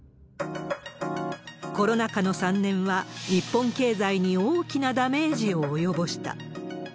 コロナ禍の３年は、日本経済に大きなダメージを及ぼした。